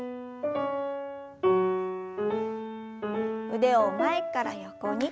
腕を前から横に。